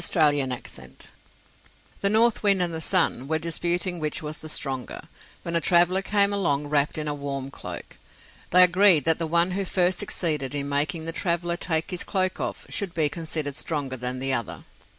Orthographic version The North Wind and the Sun were disputing which was the stronger, when a traveler came along wrapped in a warm cloak. They agreed that the one who first succeeded in making the traveler take his cloak off should be considered stronger than the other.